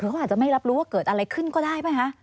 คือเขาอาจจะไม่รับรู้ว่าเกิดอะไรขึ้นก็ได้ป่ะคะ